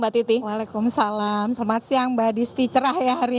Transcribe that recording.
assalamualaikum selamat siang mbak disti cerah ya hari ini